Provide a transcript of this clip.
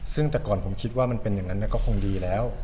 ซึ่งแต่ก่อนผมคิดว่ามันเป็นอย่างนั้นก็คงดีแล้ว